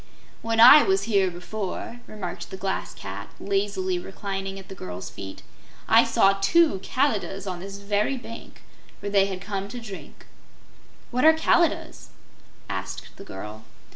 "When I was here before," remarked the Glass Cat, lazily reclining at the girl's feet, "I saw two Kalidahs on this very bank, where they had come to drink." "What are Kalidahs?" asked the girl.